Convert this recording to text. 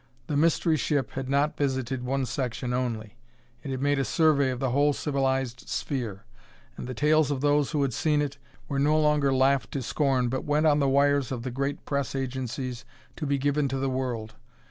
The mystery ship had not visited one section only; it had made a survey of the whole civilized sphere, and the tales of those who had seen it were no longer laughed to scorn but went on the wires of the great press agencies to be given to the world.